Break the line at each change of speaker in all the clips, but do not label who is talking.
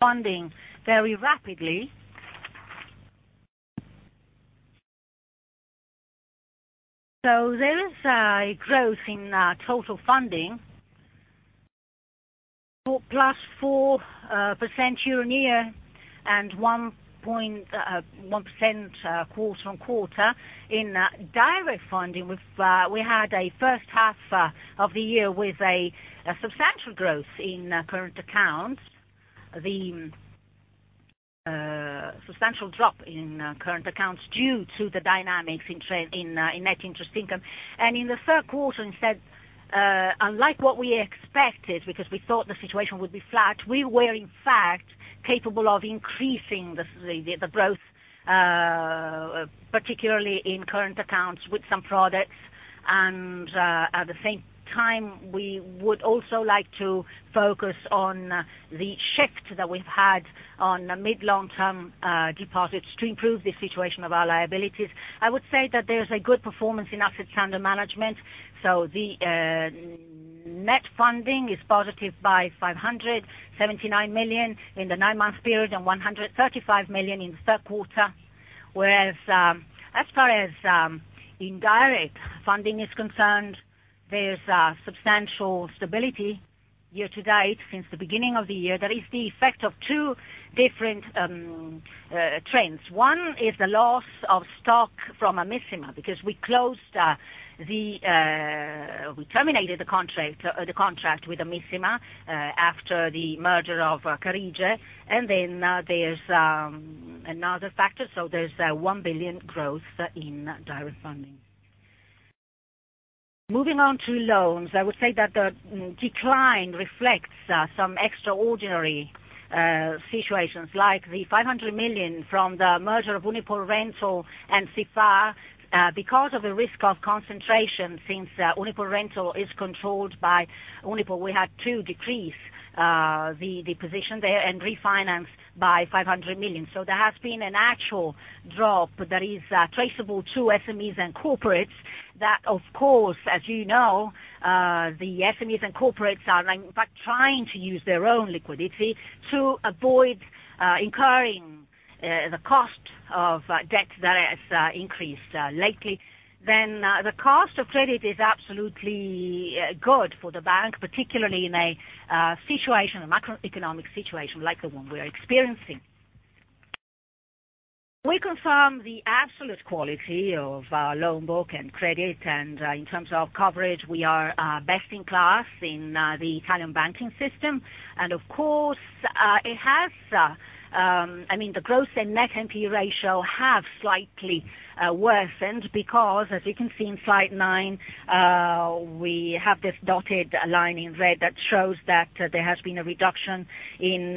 funding very rapidly. So there is a growth in total funding, +4% year-on-year, and 1.1% quarter-on-quarter. In direct funding with we had a first half of the year with a substantial growth in current accounts. The substantial drop in current accounts due to the dynamics in net interest income. And in the third quarter instead, unlike what we expected, because we thought the situation would be flat, we were in fact capable of increasing the growth particularly in current accounts with some products. And at the same time, we would also like to focus on the shift that we've had on mid long-term deposits to improve the situation of our liabilities. I would say that there's a good performance in asset standard management, so the net funding is positive by 579 million in the nine-month period, and 135 million in the third quarter. Whereas, as far as indirect funding is concerned, there's a substantial stability year to date since the beginning of the year. That is the effect of two different trends. One is the loss of stock from Amissima, because we terminated the contract with Amissima after the merger of Carige. And then, there's another factor, so there's 1 billion growth in direct funding. Moving on to loans, I would say that the decline reflects some extraordinary situations like the 500 million from the merger of Unipol Rental and SIFÀ. Because of the risk of concentration, since UnipolRental is controlled by Unipol, we had to decrease the position there and refinance by 500 million. So there has been an actual drop that is traceable to SMEs and corporates that, of course, as you know, the SMEs and corporates are like, in fact, trying to use their own liquidity to avoid incurring the cost of debt that has increased lately. Then the cost of credit is absolutely good for the bank, particularly in a situation, a macroeconomic situation like the one we are experiencing. We confirm the absolute quality of our loan book and credit, and in terms of coverage, we are best in class in the Italian banking system. Of course, it has, I mean, the growth and net NPL ratio have slightly worsened, because as you can see in slide 9, we have this dotted line in red that shows that there has been a reduction in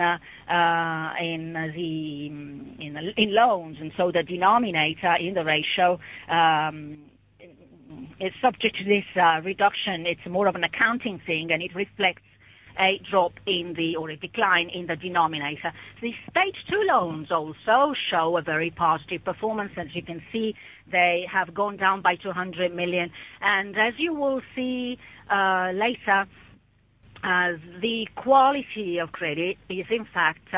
loans. So the denominator in the ratio is subject to this reduction. It's more of an accounting thing, and it reflects a drop in the, or a decline in the denominator. The stage two loans also show a very positive performance. As you can see, they have gone down by 200 million. And as you will see later, the quality of credit is, in fact,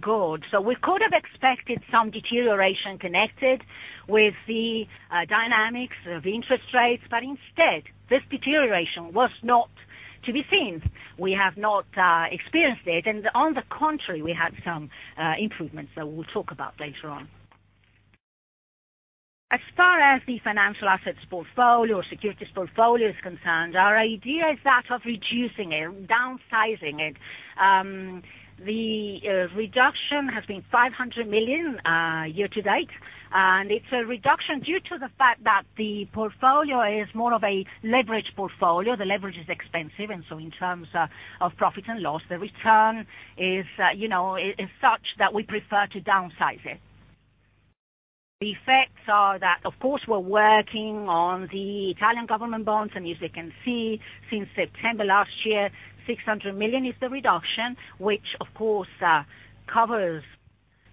good. So we could have expected some deterioration connected with the dynamics of interest rates, but instead, this deterioration was not to be seen. We have not experienced it, and on the contrary, we had some improvements that we'll talk about later on. As far as the financial assets portfolio or securities portfolio is concerned, our idea is that of reducing it, downsizing it. The reduction has been 500 million year to date, and it's a reduction due to the fact that the portfolio is more of a leverage portfolio. The leverage is expensive, and so in terms of profit and loss, the return is, you know, is such that we prefer to downsize it. The effects are that, of course, we're working on the Italian government bonds, and as you can see, since September last year, 600 million is the reduction, which of course covers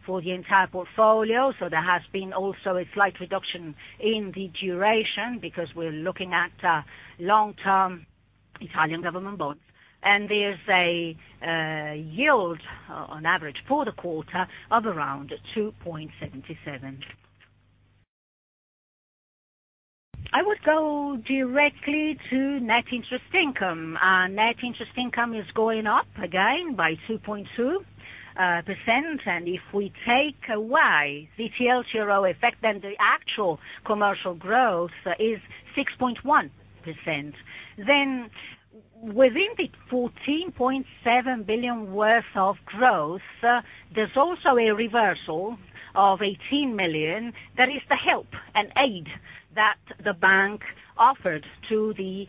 for the entire portfolio. So there has been also a slight reduction in the duration, because we're looking at long-term Italian government bonds, and there's a yield on average for the quarter of around 2.77%. I would go directly to net interest income. Net interest income is going up again by 2.2%, and if we take away the TLTRO effect, then the actual commercial growth is 6.1%. Then, within the 14.7 billion worth of growth, there's also a reversal of 18 million, that is the help and aid that the bank offered to the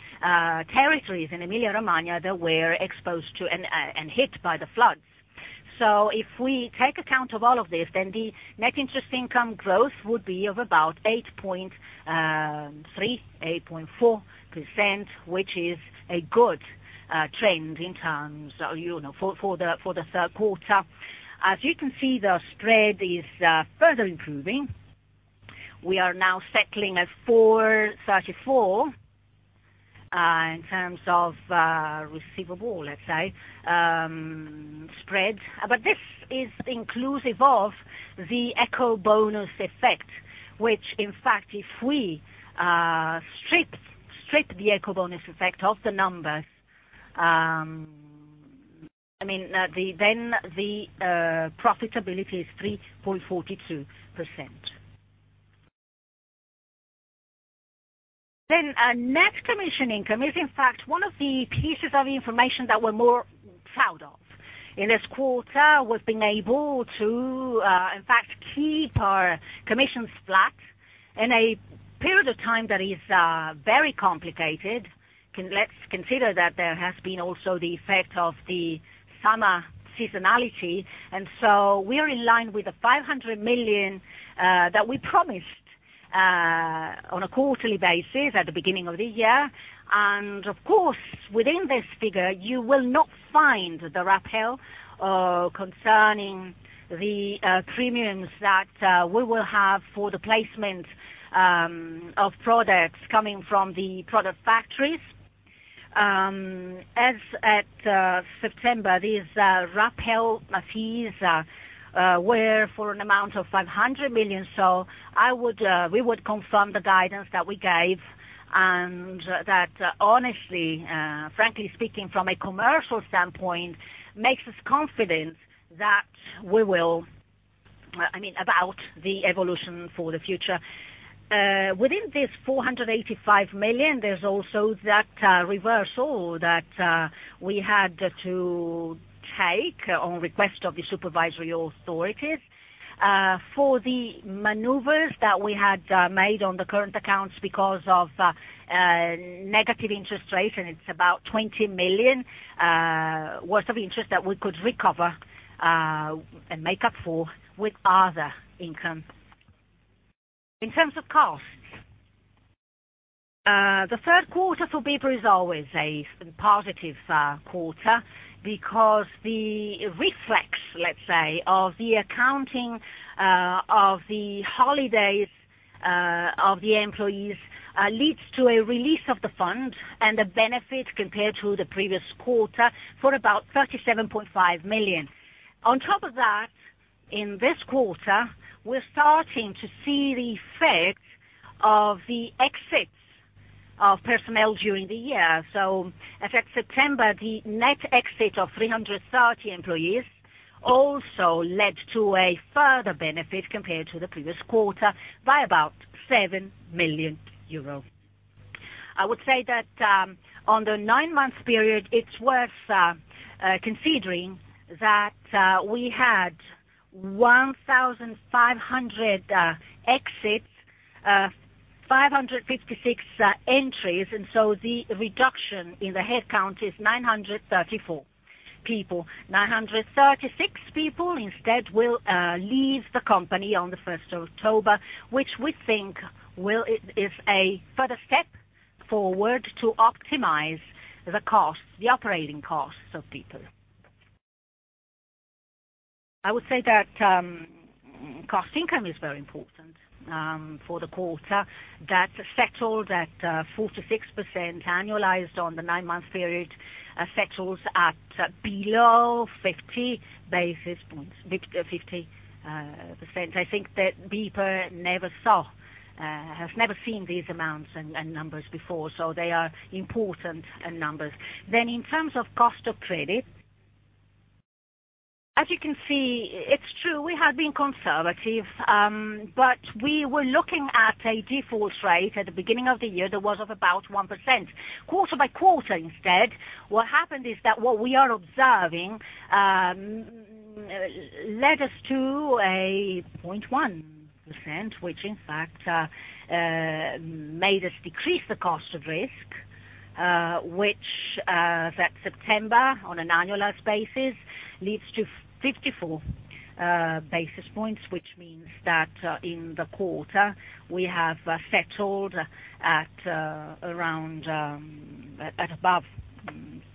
territories in Emilia-Romagna that were exposed to and hit by the floods. So if we take account of all of this, then the net interest income growth would be of about 8.3%-8.4%, which is a good trend in terms of, you know, for the third quarter. As you can see, the spread is further improving. We are now settling at 434 in terms of receivable, let's say, spread. But this is inclusive of the Ecobonus effect, which, in fact, if we strip the Ecobonus effect of the numbers, I mean, then the profitability is 3.42%. Then net commission income is, in fact, one of the pieces of information that we're more proud of. In this quarter, we've been able to, in fact, keep our commissions flat in a period of time that is, very complicated. Let's consider that there has been also the effect of the summer seasonality, and so we are in line with the 500 million, that we promised, on a quarterly basis at the beginning of the year. And of course, within this figure, you will not find the rappel, concerning the, premiums that, we will have for the placement, of products coming from the product factories. As at, September, these, rappel fees, were for an amount of 500 million. So we would confirm the guidance that we gave, and that honestly, frankly speaking, from a commercial standpoint, makes us confident that we will, I mean, about the evolution for the future. Within this 485 million, there's also that reversal that we had to take on request of the supervisory authorities for the maneuvers that we had made on the current accounts because of negative interest rates, and it's about 20 million worth of interest that we could recover and make up for with other income. In terms of costs, the third quarter for BPER is always a positive quarter because the reflex, let's say, of the accounting of the holidays of the employees leads to a release of the funds and the benefit compared to the previous quarter, for about 37.5 million. On top of that, in this quarter, we're starting to see the effect of the exits of personnel during the year. So as at September, the net exit of 330 employees also led to a further benefit compared to the previous quarter by about 7 million euro. I would say that, on the nine-month period, it's worth considering that we had 1,500 exits, 556 entries, and so the reduction in the headcount is 934 people. 936 people, instead, will leave the company on the first of October, which we think is a further step forward to optimize the costs, the operating costs of people. I would say that cost income is very important for the quarter. That settled at 46% annualized on the nine-month period, settles at below 50 basis points, 50%. I think that BPER has never seen these amounts and numbers before, so they are important numbers. Then in terms of cost of credit, as you can see, it's true we have been conservative, but we were looking at a default rate at the beginning of the year that was of about 1%. Quarter by quarter instead, what happened is that what we are observing led us to a 0.1%, which in fact made us decrease the cost of risk, which, that September, on an annualized basis, leads to 54 basis points, which means that in the quarter, we have settled at around at above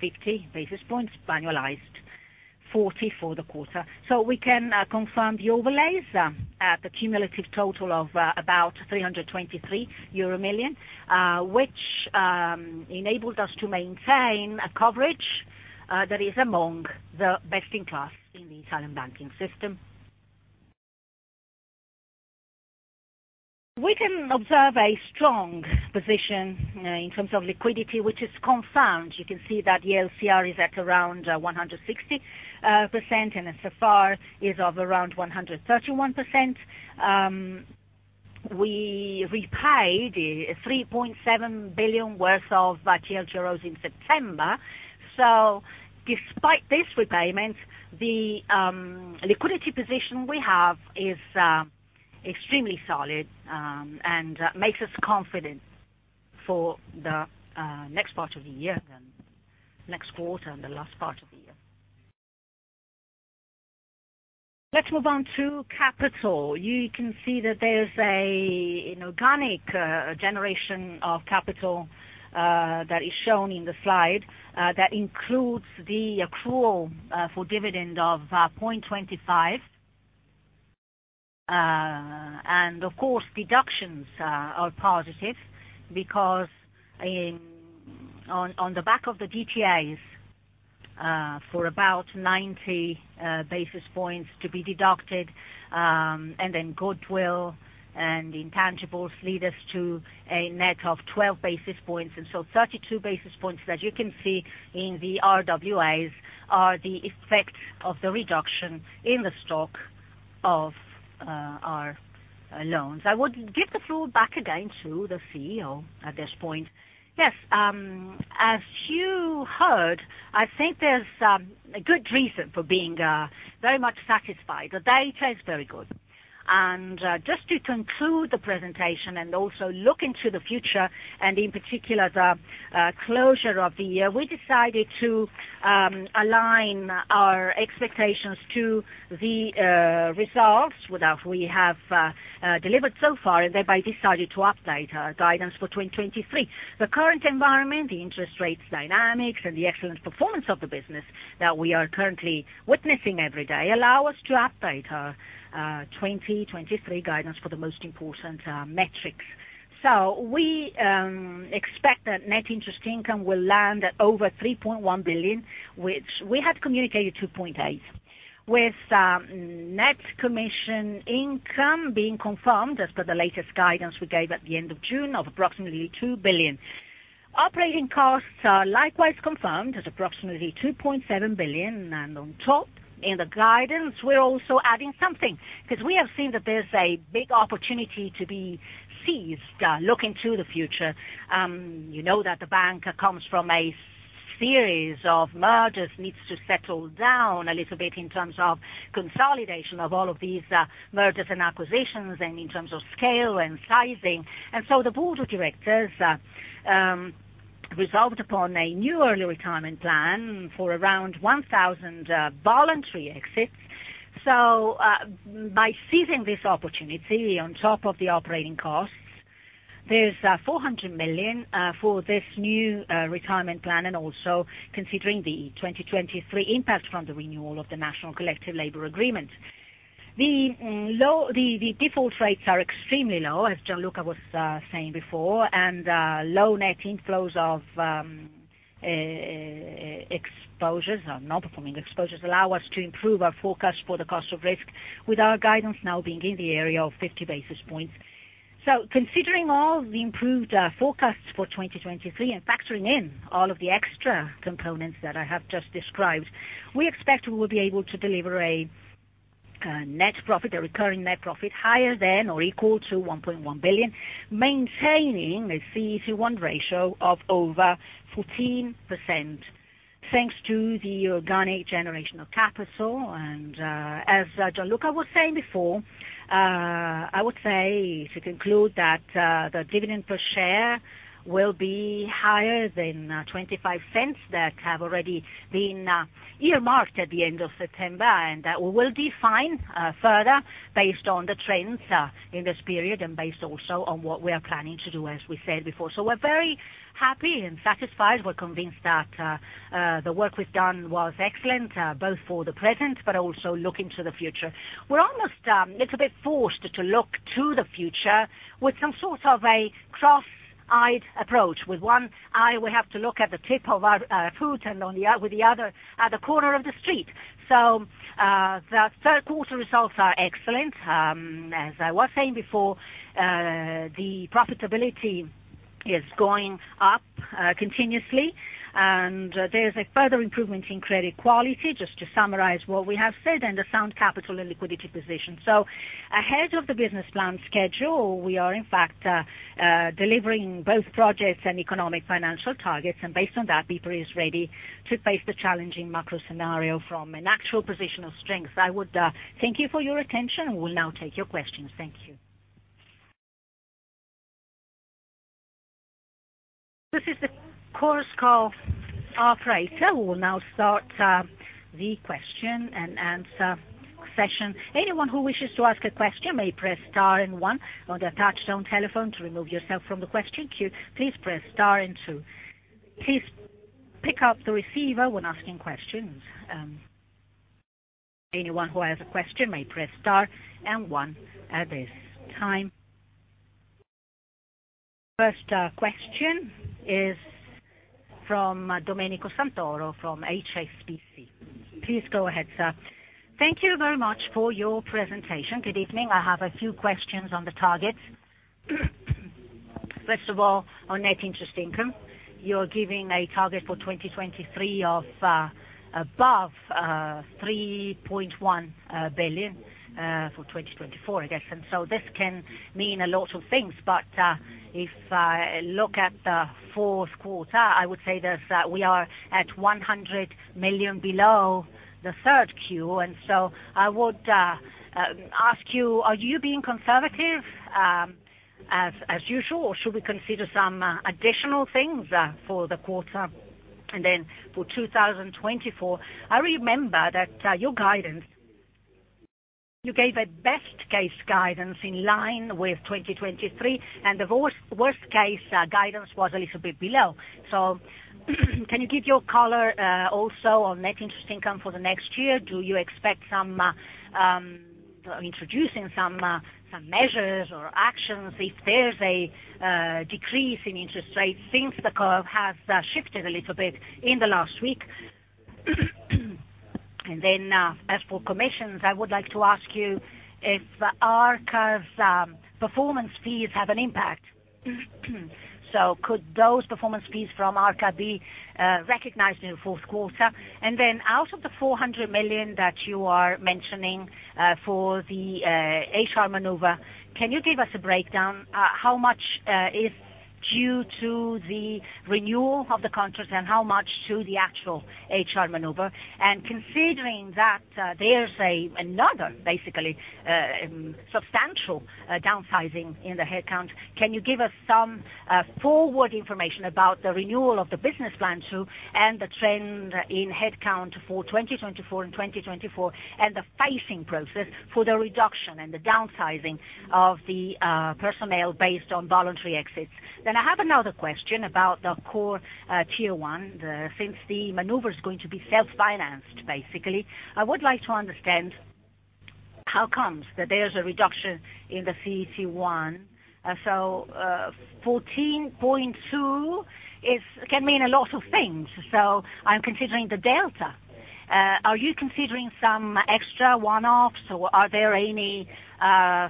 50 basis points, annualized 40 for the quarter. So we can confirm the overlays at the cumulative total of about 323 million euro, which enables us to maintain a coverage that is among the best in class in the Italian banking system. We can observe a strong position in terms of liquidity, which is confirmed. You can see that the LCR is at around 160%, and NSFR is at around 131%. We repaid 3.7 billion worth of TLTROs in September. So despite this repayment, the liquidity position we have is extremely solid, and makes us confident for the next part of the year, then next quarter and the last part of the year. Let's move on to capital. You can see that there's an organic generation of capital that is shown in the slide that includes the accrual for dividend of 0.25. Of course, deductions are positive because on the back of the DTAs, for about 90 basis points to be deducted, and then goodwill and intangibles lead us to a net of 12 basis points. So 32 basis points that you can see in the RWAs are the effect of the reduction in the stock of our loans. I would give the floor back again to the CEO at this point.
Yes, as you heard, I think there's a good reason for being very much satisfied. The data is very good, and just to conclude the presentation and also look into the future, and in particular, the closure of the year, we decided to align our expectations to the results that we have delivered so far, and thereby decided to update our guidance for 2023. The current environment, the interest rates dynamics, and the excellent performance of the business that we are currently witnessing every day, allow us to update our 2023 guidance for the most important metrics. So we expect that net interest income will land at over 3.1 billion, which we had communicated 2.8 billion. With net commission income being confirmed as per the latest guidance we gave at the end of June, of approximately 2 billion. Operating costs are likewise confirmed at approximately 2.7 billion, and on top in the guidance, we're also adding something, because we have seen that there's a big opportunity to be seized, looking to the future. You know that the bank comes from a series of mergers, needs to settle down a little bit in terms of consolidation of all of these, mergers and acquisitions, and in terms of scale and sizing. And so the board of directors resolved upon a new early retirement plan for around 1,000 voluntary exits. So, by seizing this opportunity on top of the operating costs, there's 400 million for this new retirement plan, and also considering the 2023 impact from the renewal of the national collective labor agreement. Default rates are extremely low, as Gianluca was saying before, and low net inflows of exposures, or non-performing exposures, allow us to improve our forecast for the cost of risk, with our guidance now being in the area of 50 basis points. So considering all the improved forecasts for 2023, and factoring in all of the extra components that I have just described, we expect we will be able to deliver a net profit, a recurring net profit, higher than or equal to 1.1 billion, maintaining a CET1 ratio of over 14%, thanks to the organic generation of capital. And as Gianluca was saying before, I would say to conclude, that the dividend per share will be higher than 0.25, that have already been earmarked at the end of September. We will define further based on the trends in this period and based also on what we are planning to do, as we said before. We're very happy and satisfied. We're convinced that the work we've done was excellent both for the present but also looking to the future. We're almost little bit forced to look to the future with some sort of a cross-eyed approach. With one eye we have to look at the tip of our foot and on the other, with the other, at the corner of the street. The third quarter results are excellent. As I was saying before, the profitability is going up continuously, and there's a further improvement in credit quality, just to summarize what we have said, and a sound capital and liquidity position. So ahead of the business plan schedule, we are in fact, delivering both projects and economic financial targets. And based on that, BPER is ready to face the challenging macro scenario from an actual position of strength. I would, thank you for your attention, and we'll now take your questions. Thank you.
This is the conference call operator. We will now start, the question-and-answer session. Anyone who wishes to ask a question may press star and one on the touch-tone telephone. To remove yourself from the question queue, please press star and two. Please pick up the receiver when asking questions. Anyone who has a question may press star and one at this time. First, question is from Domenico Santoro from HSBC. Please go ahead, sir.
Thank you very much for your presentation. Good evening. I have a few questions on the targets. First of all, on net interest income, you're giving a target for 2023 of above 3.1 billion for 2024, I guess. And so this can mean a lot of things, but if I look at the fourth quarter, I would say that we are at 100 million below the third Q. And so I would ask you, are you being conservative as usual, or should we consider some additional things for the quarter? And then for 2024, I remember that your guidance, you gave a best case guidance in line with 2023, and the worst case guidance was a little bit below. So can you give your color also on net interest income for the next year? Do you expect some... Introducing some, some measures or actions if there's a, decrease in interest rates, since the curve has, shifted a little bit in the last week. And then, as for commissions, I would like to ask you if Arca's, performance fees have an impact? So could those performance fees from Arca be, recognized in the fourth quarter? And then out of the 400 million that you are mentioning, for the, HR maneuver, can you give us a breakdown, how much, is due to the renewal of the contract and how much to the actual HR maneuver? Considering that, there's another, basically, substantial downsizing in the headcount, can you give us some forward information about the renewal of the business plan too, and the trend in headcount for 2024 and 2024, and the phasing process for the reduction and the downsizing of the personnel based on voluntary exits? Then I have another question about the core tier one. Since the maneuver is going to be self-financed, basically. I would like to understand, how comes that there's a reduction in the CET1. So, 14.2 is, can mean a lot of things, so I'm considering the delta. Are you considering some extra one-offs, or are there any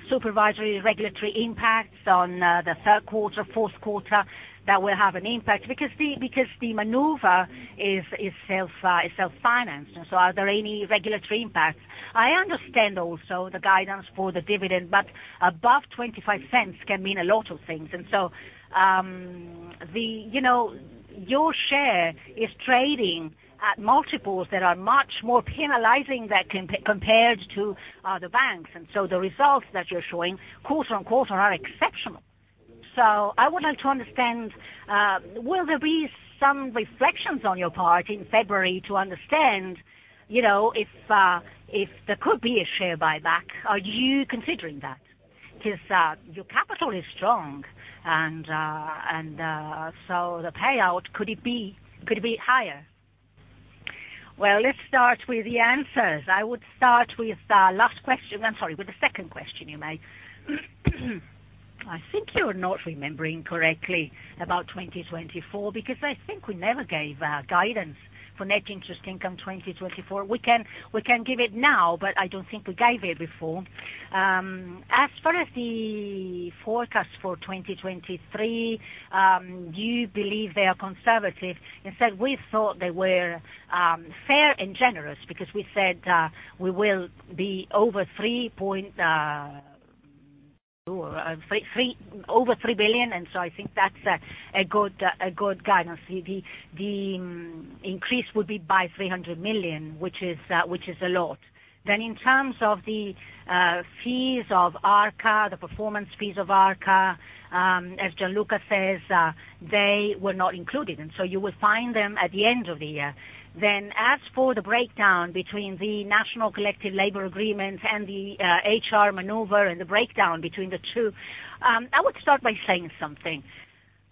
supervisory regulatory impacts on the third quarter, fourth quarter, that will have an impact? Because the maneuver is self-financed. So are there any regulatory impacts? I understand also the guidance for the dividend, but above 0.25 can mean a lot of things. And so, you know, your share is trading at multiples that are much more penalizing than compared to the banks. And so the results that you're showing quarter-on-quarter are exceptional. So I would like to understand, will there be some reflections on your part in February to understand, you know, if there could be a share buyback, are you considering that? Because your capital is strong, and so the payout, could it be higher?
Well, let's start with the answers. I would start with the last question. I'm sorry, with the second question you made. I think you're not remembering correctly about 2024, because I think we never gave guidance for net interest income in 2024. We can, we can give it now, but I don't think we gave it before. As far as the forecast for 2023, you believe they are conservative. Instead, we thought they were fair and generous because we said we will be over 3.3 billion, and so I think that's a good guidance. The increase would be by 300 million, which is a lot. Then in terms of the fees of Arca, the performance fees of Arca, as Gianluca says, they were not included, and so you will find them at the end of the year. As for the breakdown between the national collective labor agreements and the HR maneuver, and the breakdown between the two, I would start by saying something.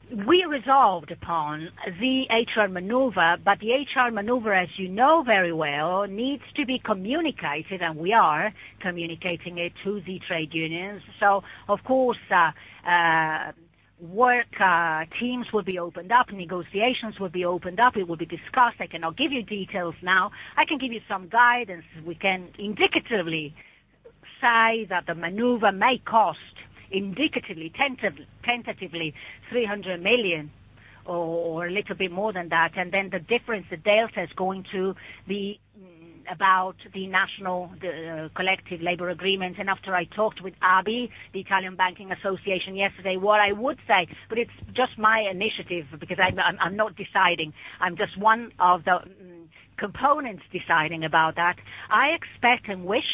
We resolved upon the HR maneuver, but the HR maneuver, as you know very well, needs to be communicated, and we are communicating it to the trade unions. So of course, work teams will be opened up, negotiations will be opened up, it will be discussed. I cannot give you details now. I can give you some guidance. We can indicatively say that the maneuver may cost, indicatively, tentatively, 300 million or a little bit more than that. And then the difference, the delta, is going to be about the national, the collective labor agreements. And after I talked with ABI, the Italian Banking Association, yesterday, what I would say, but it's just my initiative, because I'm, I'm not deciding, I'm just one of the components deciding about that. I expect and wish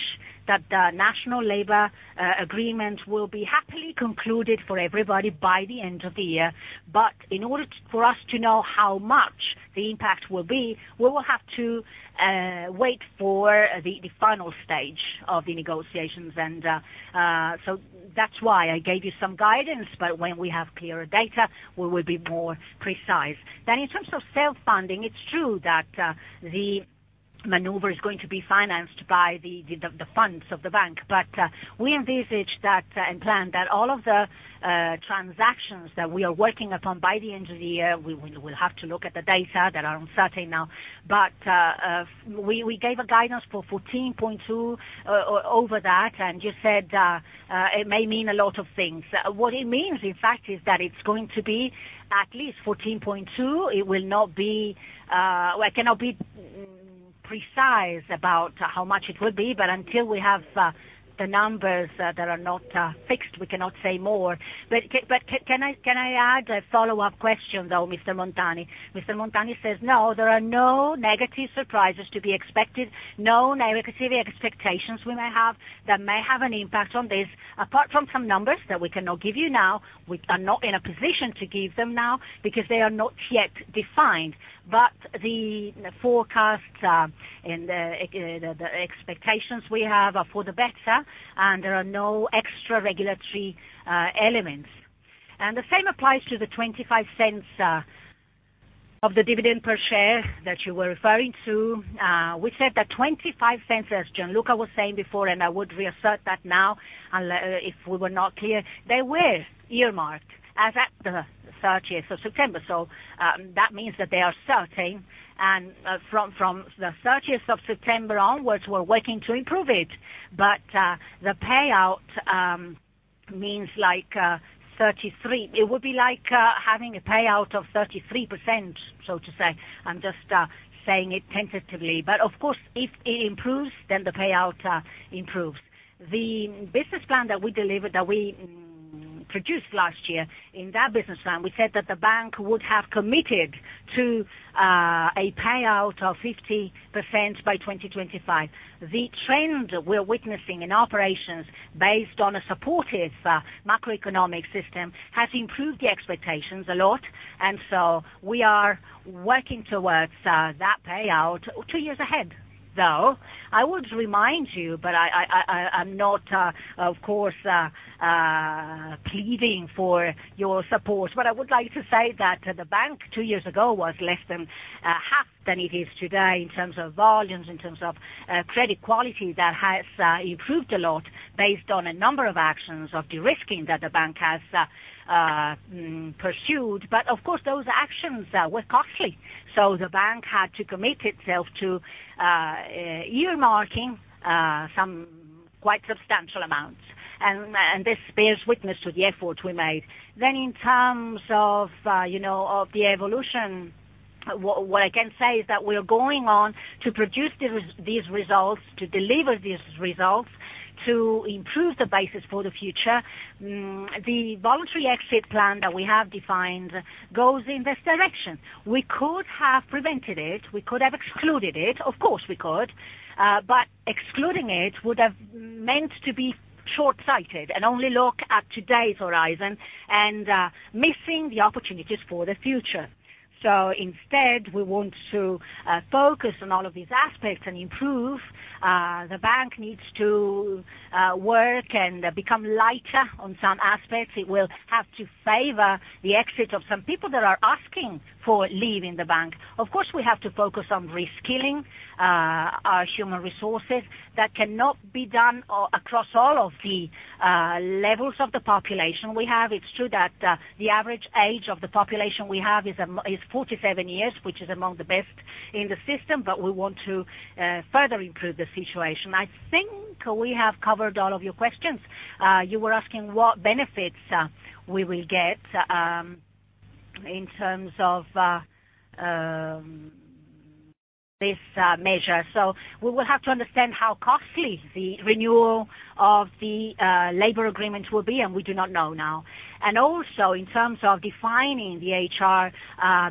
that the national labor agreements will be happily concluded for everybody by the end of the year. But in order for us to know how much the impact will be, we will have to wait for the final stage of the negotiations. And so that's why I gave you some guidance, but when we have clearer data, we will be more precise. Then in terms of self-funding, it's true that the maneuver is going to be financed by the funds of the bank, but we envisage that, and plan, that all of the transactions that we are working upon by the end of the year, we will have to look at the data that are uncertain now, but we gave a guidance for 14.2, over that, and you said it may mean a lot of things. What it means, in fact, is that it's going to be at least 14.2. It will not be, I cannot be precise about how much it will be, but until we have the numbers that are not fixed, we cannot say more.
But can I add a follow-up question, though, Mr. Montani?
Mr. Montani says, no, there are no negative surprises to be expected, no negative expectations we may have, that may have an impact on this, apart from some numbers that we cannot give you now. We are not in a position to give them now, because they are not yet defined. But the forecasts are, and the expectations we have are for the better, and there are no extra regulatory elements. And the same applies to the 0.25 of the dividend per share that you were referring to, we said that 0.25, as Gianluca was saying before, and I would reassert that now, unless if we were not clear, they were earmarked as at the thirtieth of September. So, that means that they are starting, and from the thirtieth of September onwards, we're working to improve it. But, the payout, means like, 33. It would be like, having a payout of 33%, so to say. I'm just, saying it tentatively, but of course, if it improves, then the payout, improves. The business plan that we delivered, that we produced last year, in that business plan, we said that the bank would have committed to, a payout of 50% by 2025. The trend we're witnessing in operations based on a supportive, macroeconomic system, has improved the expectations a lot, and so we are working towards, that payout two years ahead. Though, I would remind you, but I, I'm not, of course, pleading for your support, but I would like to say that the bank two years ago was less than half than it is today in terms of volumes, in terms of credit quality. That has improved a lot based on a number of actions of de-risking that the bank has pursued. But of course, those actions were costly. So the bank had to commit itself to earmarking some quite substantial amounts. And this bears witness to the effort we made. Then in terms of, you know, of the evolution, what I can say is that we are going on to produce these results, to deliver these results, to improve the basis for the future. The voluntary exit plan that we have defined goes in this direction. We could have prevented it, we could have excluded it, of course we could, but excluding it would have meant to be short-sighted, and only look at today's horizon, and missing the opportunities for the future. So instead, we want to focus on all of these aspects and improve. The bank needs to work and become lighter on some aspects. It will have to favor the exit of some people that are asking for leaving the bank. Of course, we have to focus on reskilling our human resources. That cannot be done across all of the levels of the population we have. It's true that the average age of the population we have is 47 years, which is among the best in the system, but we want to further improve the situation. I think we have covered all of your questions. You were asking what benefits we will get in terms of this measure. So we will have to understand how costly the renewal of the labor agreement will be, and we do not know now. And also, in terms of defining the HR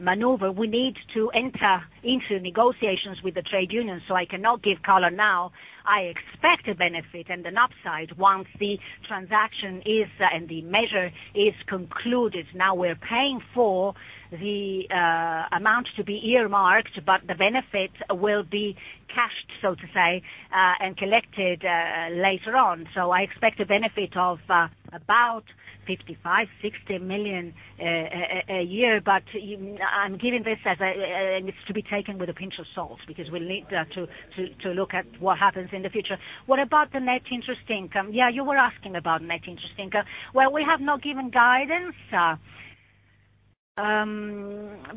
maneuver, we need to enter into negotiations with the trade union, so I cannot give color now. I expect a benefit and an upside once the transaction is, and the measure is concluded. Now we're paying for the amount to be earmarked, but the benefit will be cashed, so to say, and collected later on. So I expect a benefit of about 55 million-60 million a year, but I'm giving this as a, and it's to be taken with a pinch of salt, because we'll need to look at what happens in the future. What about the net interest income? Yeah, you were asking about net interest income. Well, we have not given guidance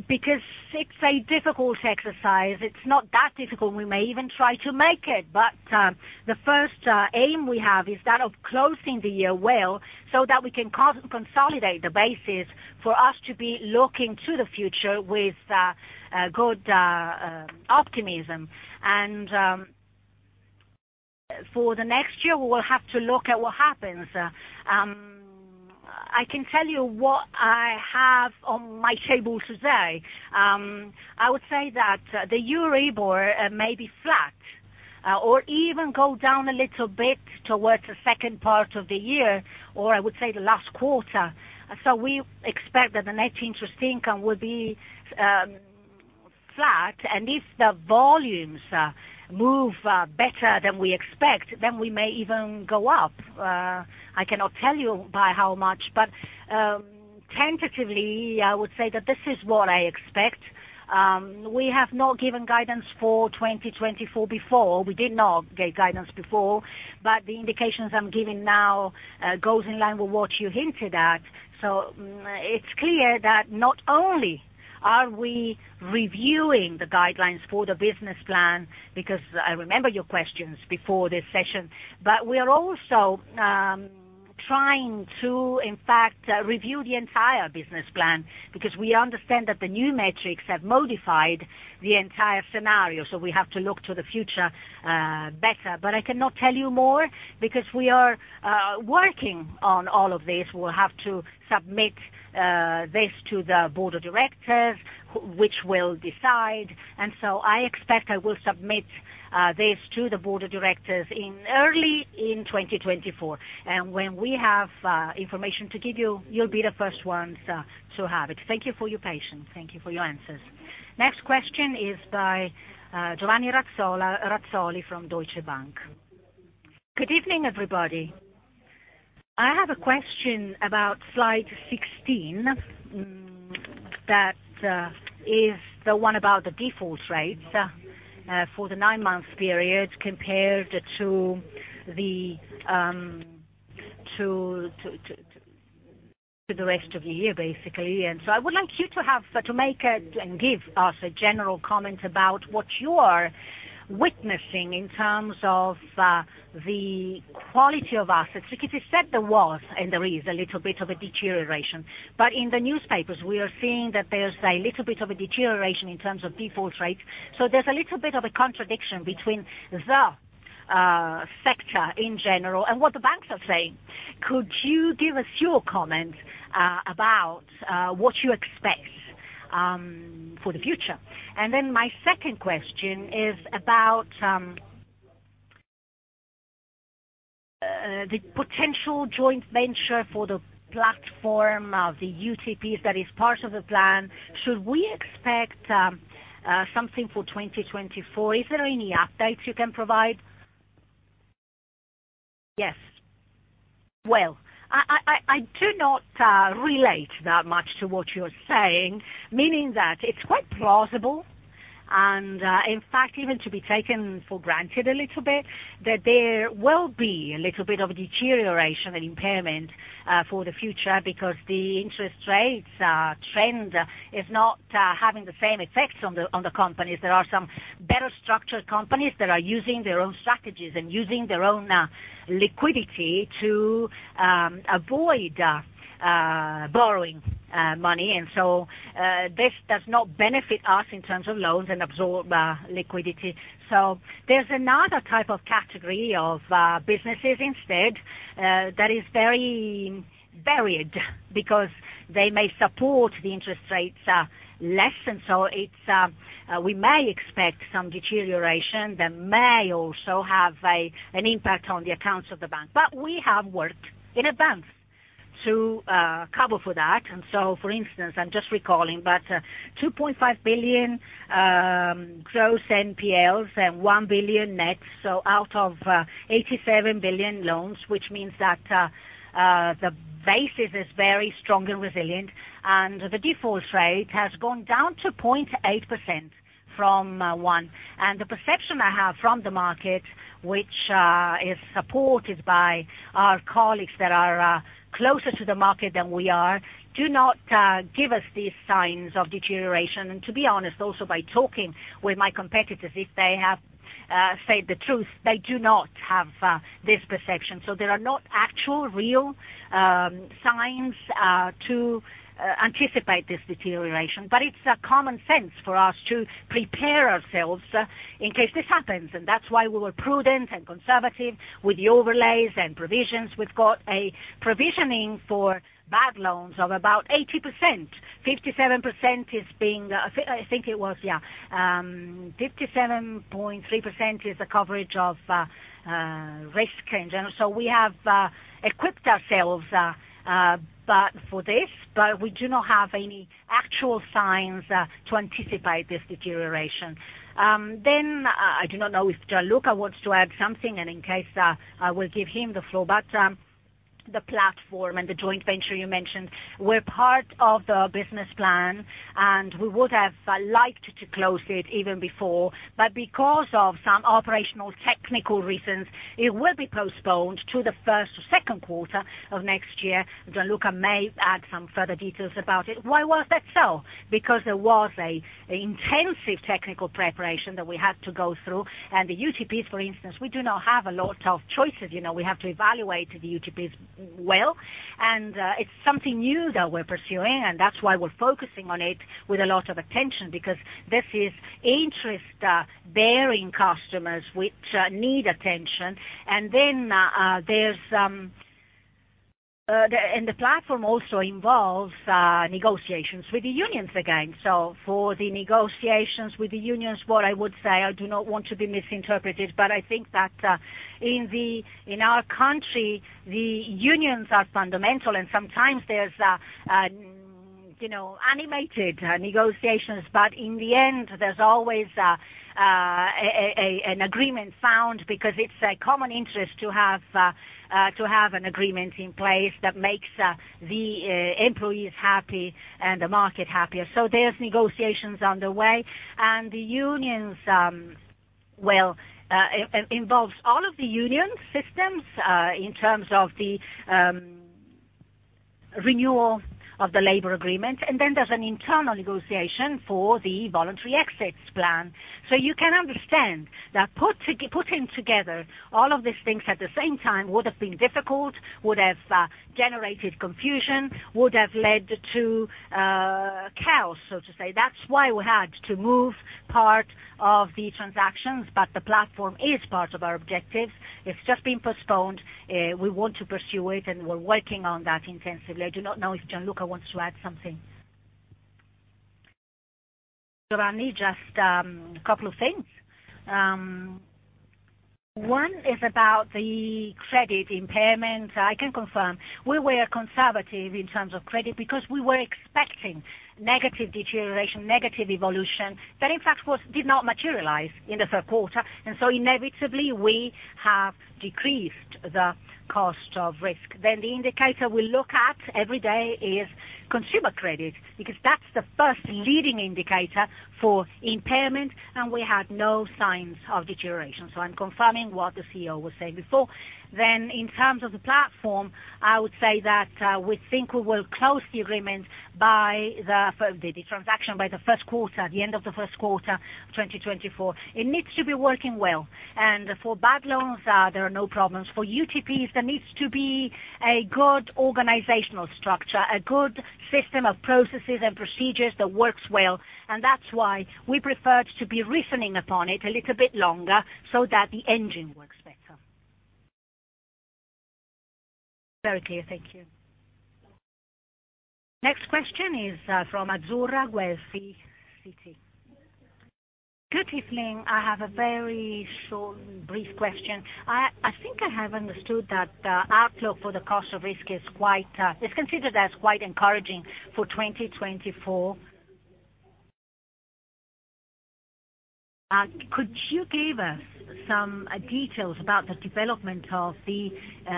because it's a difficult exercise. It's not that difficult, we may even try to make it, but the first aim we have is that of closing the year well, so that we can consolidate the basis for us to be looking to the future with good optimism. For the next year, we will have to look at what happens. I can tell you what I have on my table today. I would say that the Euribor may be flat, or even go down a little bit towards the second part of the year, or I would say the last quarter. So we expect that the net interest income will be flat, and if the volumes move better than we expect, then we may even go up. I cannot tell you by how much, but tentatively, I would say that this is what I expect. We have not given guidance for 2024 before. We did not give guidance before, but the indications I'm giving now goes in line with what you hinted at. So it's clear that not only are we reviewing the guidelines for the business plan, because I remember your questions before this session, but we are also trying to, in fact, review the entire business plan, because we understand that the new metrics have modified the entire scenario, so we have to look to the future better. But I cannot tell you more because we are working on all of this. We'll have to submit this to the board of directors, which will decide. And so I expect I will submit this to the board of directors in early 2024. And when we have information to give you, you'll be the first ones to have it. Thank you for your patience. Thank you for your answers.
Next question is by Giovanni Razzoli from Deutsche Bank.
Good evening, everybody. I have a question about slide 16. That is the one about the default rates for the nine-month period compared to the rest of the year, basically. And so I would like you to have, to make a, and give us a general comment about what you are witnessing in terms of the quality of assets. Because you said there was, and there is a little bit of a deterioration, but in the newspapers, we are seeing that there's a little bit of a deterioration in terms of default rates. So there's a little bit of a contradiction between the sector in general and what the banks are saying. Could you give us your comment about what you expect for the future? And then my second question is about the potential joint venture for the platform of the UTPs that is part of the plan. Should we expect something for 2024? Is there any updates you can provide?
Yes. Well, I do not relate that much to what you're saying, meaning that it's quite plausible, and, in fact, even to be taken for granted a little bit, that there will be a little bit of a deterioration and impairment for the future because the interest rates trend is not having the same effects on the companies. There are some better structured companies that are using their own strategies and using their own liquidity to avoid borrowing money. This does not benefit us in terms of loans and absorb liquidity. So there's another type of category of businesses instead that is very varied because they may support the interest rates less. And so it's we may expect some deterioration that may also have a an impact on the accounts of the bank. But we have worked in advance to cover for that. And so, for instance, I'm just recalling, but 2.5 billion gross NPLs and 1 billion net, so out of 87 billion loans, which means that the basis is very strong and resilient, and the default rate has gone down to 0.8% from 1%. The perception I have from the market, which is supported by our colleagues that are closer to the market than we are, do not give us these signs of deterioration. To be honest, also, by talking with my competitors, if they have said the truth, they do not have this perception. There are not actual, real signs to anticipate this deterioration. But it's a common sense for us to prepare ourselves in case this happens, and that's why we were prudent and conservative with the overlays and provisions. We've got a provisioning for bad loans of about 80%. 57% is being, I think it was, yeah, 57.3% is the coverage of risk in general. So we have equipped ourselves, but for this, but we do not have any actual signs to anticipate this deterioration. Then, I do not know if Gianluca wants to add something, and in case, I will give him the floor, but, the platform and the joint venture you mentioned were part of the business plan, and we would have liked to close it even before, but because of some operational technical reasons, it will be postponed to the first or second quarter of next year. Gianluca may add some further details about it. Why was that so? Because there was a intensive technical preparation that we had to go through. And the UTPs, for instance, we do not have a lot of choices, you know. We have to evaluate the UTPs well, and it's something new that we're pursuing, and that's why we're focusing on it with a lot of attention, because this is interest bearing customers which need attention. And then the platform also involves negotiations with the unions again. So for the negotiations with the unions, what I would say, I do not want to be misinterpreted, but I think that in our country, the unions are fundamental, and sometimes there's, you know, animated negotiations. But in the end, there's always an agreement found because it's a common interest to have an agreement in place that makes the employees happy and the market happier. So there's negotiations underway, and the unions, well, involves all of the union systems, in terms of the renewal of the labor agreement, and then there's an internal negotiation for the voluntary exits plan. So you can understand that putting together all of these things at the same time would have been difficult, would have generated confusion, would have led to chaos, so to say. That's why we had to move part of the transactions. But the platform is part of our objectives. It's just been postponed. We want to pursue it, and we're working on that intensively. I do not know if Gianluca wants to add something...
So I need just a couple of things. One is about the credit impairment. I can confirm we were conservative in terms of credit because we were expecting negative deterioration, negative evolution, that in fact did not materialize in the third quarter, and so inevitably we have decreased the cost of risk. Then the indicator we look at every day is consumer credit, because that's the first leading indicator for impairment, and we had no signs of deterioration. So I'm confirming what the CEO was saying before. Then, in terms of the platform, I would say that we think we will close the agreement by the transaction, by the end of the first quarter 2024. It needs to be working well, and for bad loans, there are no problems. For UTPs, there needs to be a good organizational structure, a good system of processes and procedures that works well, and that's why we prefer to be reasoning upon it a little bit longer so that the engine works better.
Very clear. Thank you.
Next question is from Azzurra Guelfi, Citi.
Good evening. I have a very short, brief question. I think I have understood that outlook for the cost of risk is quite is considered as quite encouraging for 2024. Could you give us some details about the development of the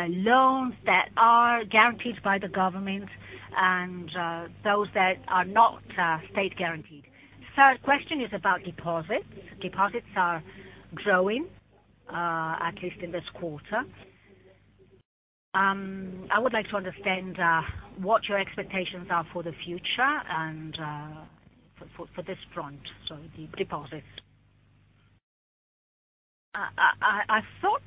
loans that are guaranteed by the government and those that are not state guaranteed? Third question is about deposits. Deposits are growing at least in this quarter. I would like to understand what your expectations are for the future and for this front, so the deposits.
I thought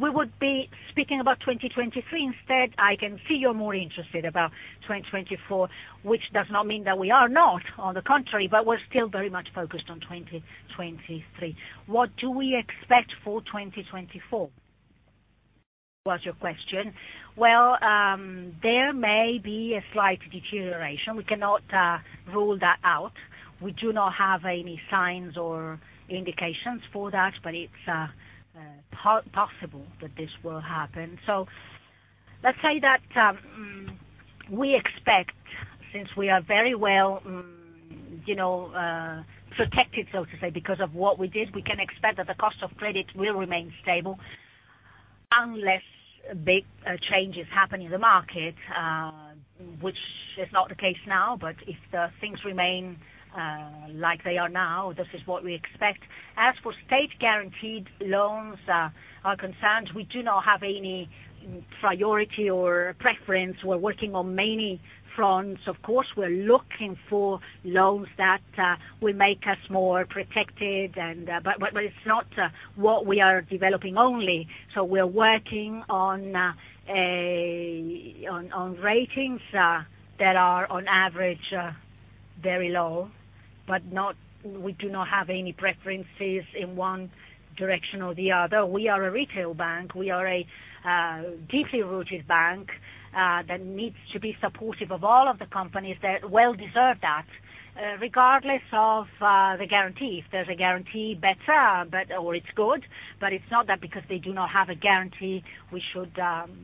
we would be speaking about 2023 instead. I can see you're more interested about 2024, which does not mean that we are not, on the contrary, but we're still very much focused on 2023. What do we expect for 2024, was your question? Well, there may be a slight deterioration. We cannot rule that out. We do not have any signs or indications for that, but it's possible that this will happen. So let's say that, we expect, since we are very well, you know, protected, so to say, because of what we did, we can expect that the cost of credit will remain stable unless big, changes happen in the market, which is not the case now. But if the things remain, like they are now, this is what we expect. As for state-guaranteed loans are concerned, we do not have any priority or preference. We're working on many fronts. Of course, we're looking for loans that, will make us more protected and, but it's not, what we are developing only. So we're working on, ratings, that are on average, very low, but not, we do not have any preferences in one direction or the other. We are a retail bank. We are a deeply rooted bank that needs to be supportive of all of the companies that well deserve that, regardless of the guarantee. If there's a guarantee, better, but, or it's good, but it's not that because they do not have a guarantee, we should,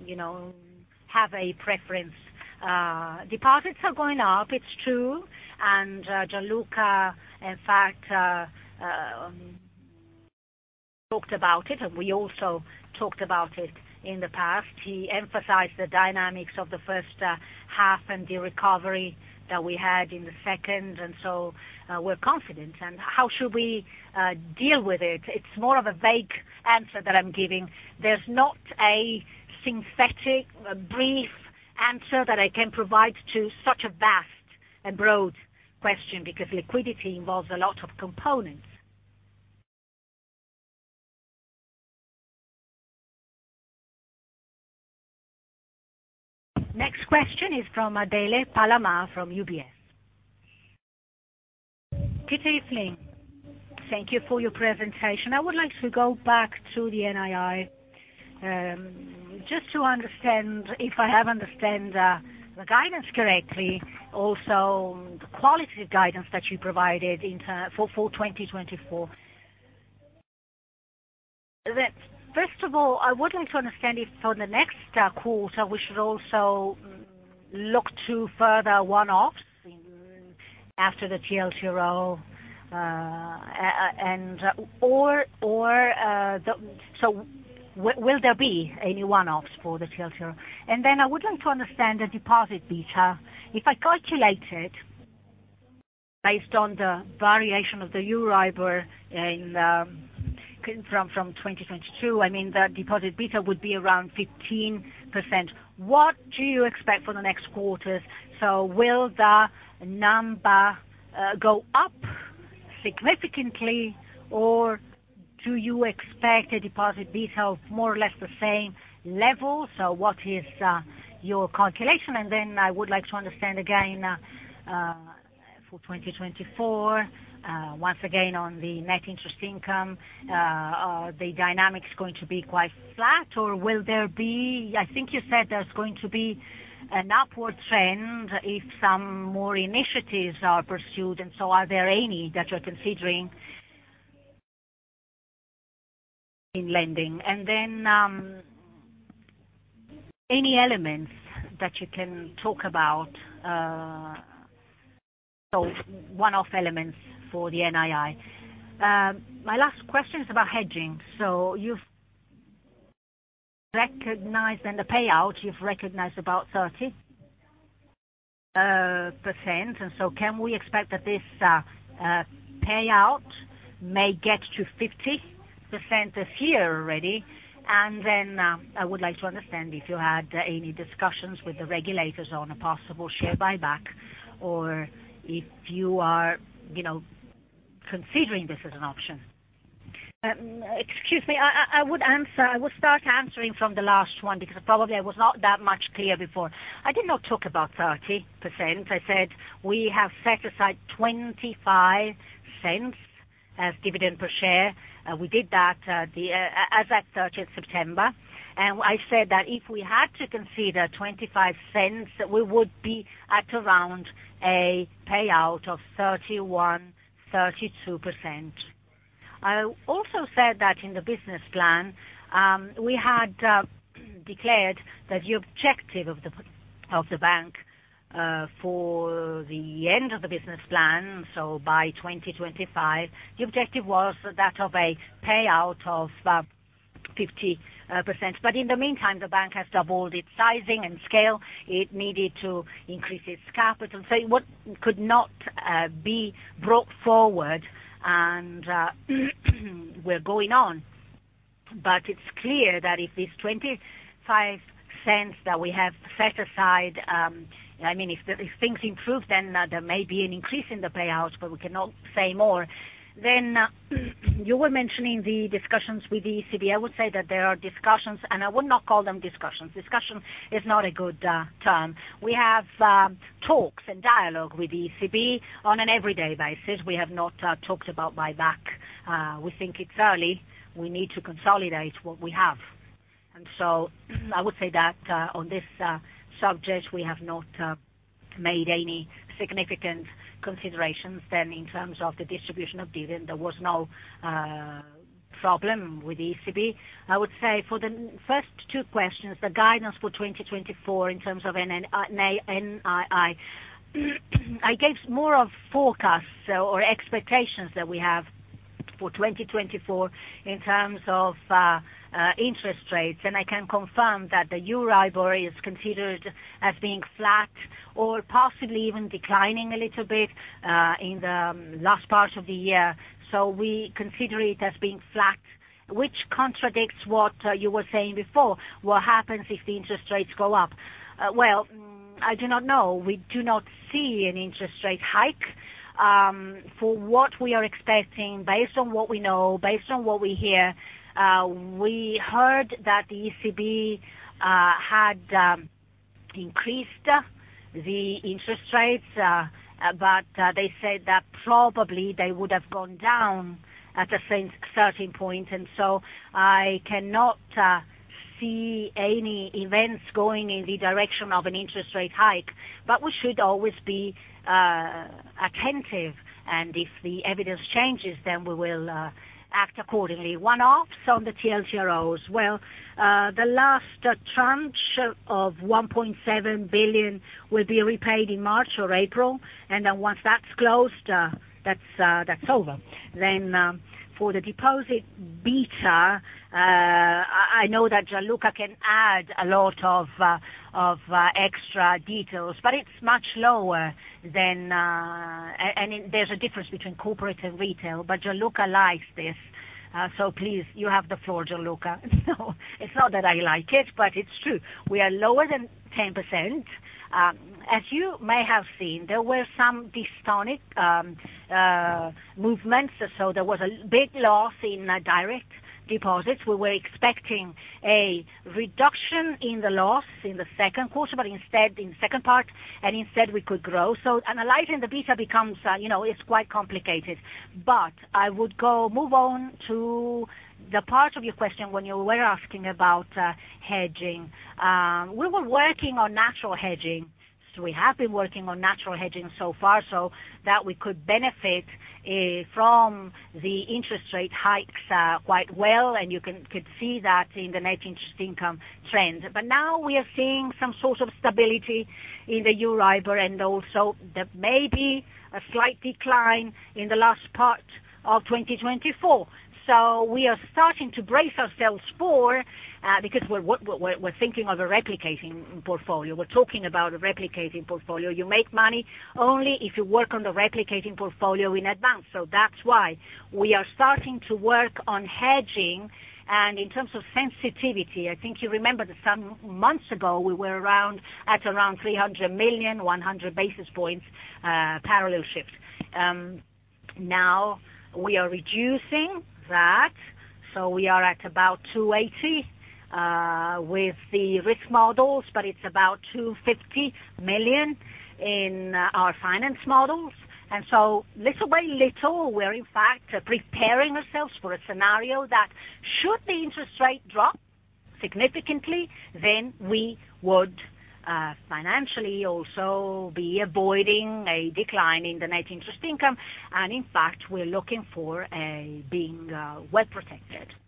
you know, have a preference. Deposits are going up, it's true, and Gianluca, in fact, talked about it, and we also talked about it in the past. He emphasized the dynamics of the first half and the recovery that we had in the second, and so we're confident. And how should we deal with it? It's more of a vague answer that I'm giving. There's not a synthetic, a brief answer that I can provide to such a vast and broad question, because liquidity involves a lot of components.
Next question is from Adele Palamà from UBS.
Good evening. Thank you for your presentation. I would like to go back to the NII, just to understand, if I have understand, the guidance correctly, also the quality guidance that you provided in terms for 2024. That, first of all, I would like to understand if for the next quarter, we should also look to further one-offs after the TLTRO, and/or the. So will there be any one-offs for the TLTRO? And then I would like to understand the deposit beta. If I calculate it, based on the variation of the Euribor in, from 2022, I mean, the deposit beta would be around 15%. What do you expect for the next quarters? So will the number go up significantly, or do you expect a Deposit Beta of more or less the same level? So what is your calculation? And then I would like to understand again for 2024, once again on the net interest Income, are the dynamics going to be quite flat or will there be, I think you said there's going to be an upward trend if some more initiatives are pursued, and so are there any that you're considering in lending? And then any elements that you can talk about, so one-off elements for the NII. My last question is about hedging. So you've recognized, in the payout, you've recognized about 30%, and so can we expect that this payout may get to 50% this year already? And then, I would like to understand if you had any discussions with the regulators on a possible share buyback, or if you are, you know, considering this as an option.
Excuse me, I would answer, I will start answering from the last one because probably I was not that much clear before. I did not talk about 30%. I said we have set aside 0.25 as dividend per share, we did that, as at 30th September. And I said that if we had to consider 0.25, we would be at around a payout of 31%-32%. I also said that in the business plan, we had declared that the objective of the bank for the end of the business plan, so by 2025, the objective was that of a payout of 50%. But in the meantime, the bank has doubled its sizing and scale. It needed to increase its capital. So what could not be brought forward and we're going on. But it's clear that if this 0.25 that we have set aside, I mean, if things improve, then there may be an increase in the payouts, but we cannot say more. Then, you were mentioning the discussions with the ECB. I would say that there are discussions, and I would not call them discussions. Discussion is not a good term. We have talks and dialogue with the ECB on an every day basis. We have not talked about buyback. We think it's early. We need to consolidate what we have. And so I would say that on this subject, we have not made any significant considerations. Then in terms of the distribution of dividend, there was no problem with the ECB. I would say for the first two questions, the guidance for 2024 in terms of NII, I gave more of forecasts or expectations that we have for 2024 in terms of interest rates, and I can confirm that the Euribor is considered as being flat or possibly even declining a little bit in the last part of the year. So we consider it as being flat, which contradicts what you were saying before. What happens if the interest rates go up? Well, I do not know. We do not see an interest rate hike. For what we are expecting, based on what we know, based on what we hear, we heard that the ECB had increased the interest rates, but they said that probably they would have gone down at a certain point, and so I cannot see any events going in the direction of an interest rate hike. But we should always be attentive, and if the evidence changes, then we will act accordingly. One-offs on the TLTROs. Well, the last tranche of 1.7 billion will be repaid in March or April, and then once that's closed, that's over. For the deposit beta, I know that Gianluca can add a lot of extra details, but it's much lower than... and there's a difference between corporate and retail, but Gianluca likes this, so please, you have the floor, Gianluca.
No, it's not that I like it, but it's true. We are lower than 10%. As you may have seen, there were some dystonic movements, so there was a big loss in direct deposits. We were expecting a reduction in the loss in the second quarter, but instead in the second part, and instead we could grow. So analyzing the beta becomes, you know, it's quite complicated. But I would go move on to the part of your question when you were asking about hedging. We were working on natural hedging. So we have been working on natural hedging so far, so that we could benefit from the interest rate hikes quite well, and you could see that in the net interest income trend. But now we are seeing some sort of stability in the Euribor, and also there may be a slight decline in the last part of 2024. So we are starting to brace ourselves for, because we're, we're thinking of a replicating portfolio. We're talking about a replicating portfolio. You make money only if you work on the replicating portfolio in advance. So that's why we are starting to work on hedging, and in terms of sensitivity, I think you remember that some months ago we were around, at around 300 million, 100 basis points parallel shift. Now we are reducing that, so we are at about 280 million with the risk models, but it's about 250 million in our finance models. And so little by little, we're in fact preparing ourselves for a scenario that should the interest rate drop significantly, then we would financially also be avoiding a decline in the net interest income. And in fact, we're looking to be well-protected.
Can I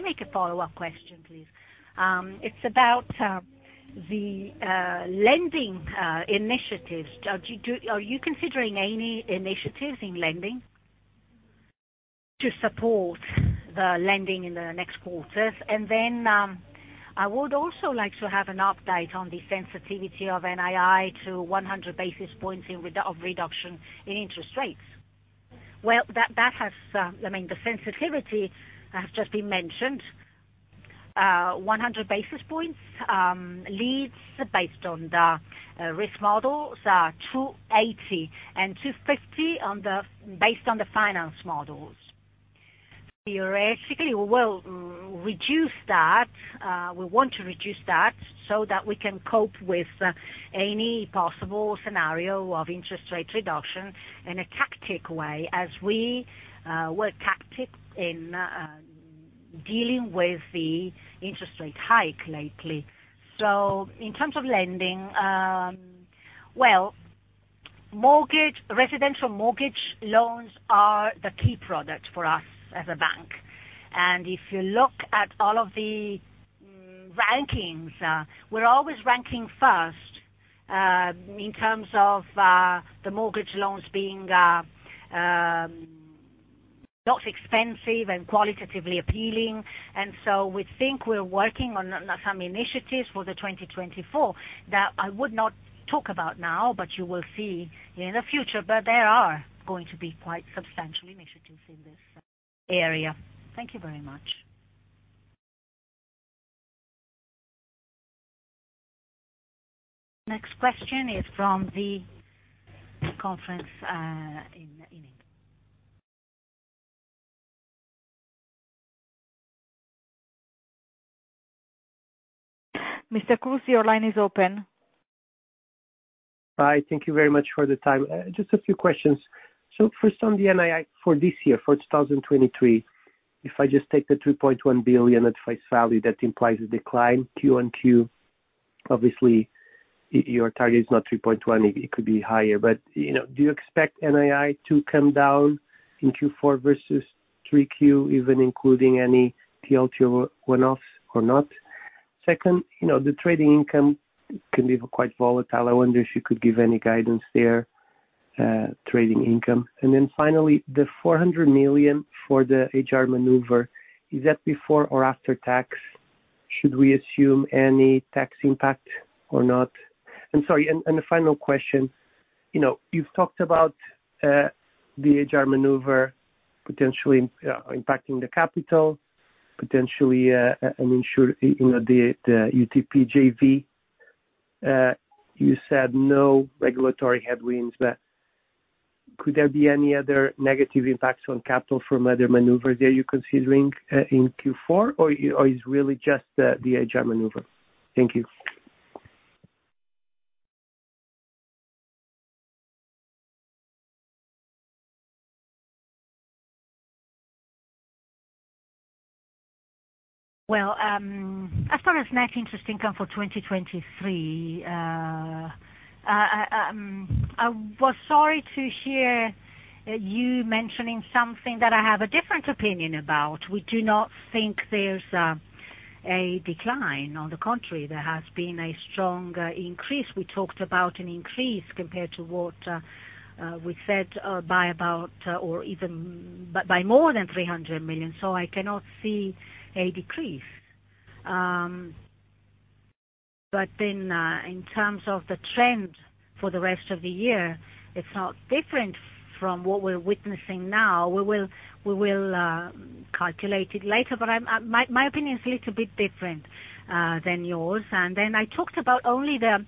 make a follow-up question, please? It's about the lending initiatives. Are you considering any initiatives in lending to support the lending in the next quarters? And then I would also like to have an update on the sensitivity of NII to 100 basis points of reduction in interest rates.
Well, that has, I mean, the sensitivity has just been mentioned. 100 basis points leads based on the risk models are 280, and 250 based on the finance models. Theoretically, we will reduce that, we want to reduce that, so that we can cope with any possible scenario of interest rates reduction in a tactical way, as we were tactical in dealing with the interest rate hike lately. So in terms of lending, well, mortgage, residential mortgage loans are the key product for us as a bank. And if you look at all of the rankings, we're always ranking first in terms of the mortgage loans being not expensive and qualitatively appealing. And so we think we're working on some initiatives for 2024, that I would not talk about now, but you will see in the future. But there are going to be quite substantial initiatives in this area.
Thank you very much.
Next question is from the conference. Mr. Cruz, your line is open. Hi, thank you very much for the time. Just a few questions. So first on the NII for this year, for 2023, if I just take the 3.1 billion at face value, that implies a decline Q-o-Q. Obviously, your target is not 3.1, it could be higher. But, you know, do you expect NII to come down in Q4 versus 3Q, even including any TLT one-offs or not? Second, you know, the trading income can be quite volatile. I wonder if you could give any guidance there, trading income. And then finally, the 400 million for the HR maneuver, is that before or after tax? Should we assume any tax impact or not? And sorry, and the final question.
You know, you've talked about the HR maneuver potentially impacting the capital, potentially you know, the, the UTP JV. You said no regulatory headwinds, but could there be any other negative impacts on capital from other maneuvers that you're considering in Q4, or, or is really just the, the HR maneuver? Thank you.
Well, as far as net interest income for 2023, I was sorry to hear you mentioning something that I have a different opinion about. We do not think there's a decline. On the contrary, there has been a strong increase. We talked about an increase compared to what we said by about or even by more than 300 million. So I cannot see a decrease. But then, in terms of the trend for the rest of the year, it's not different from what we're witnessing now. We will calculate it later, but my opinion is a little bit different than yours. Then I talked about only the